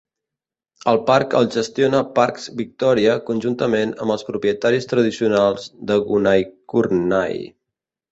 El parc el gestiona Parks Victoria conjuntament amb els propietaris tradicionals de Gunaikurnai.